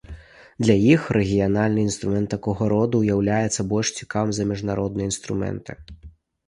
Для іх рэгіянальны інструмент такога роду уяўляецца больш цікавым за міжнародныя інструменты.